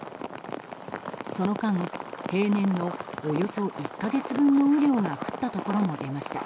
その間、平年のおよそ１か月分の雨量が降ったところも出ました。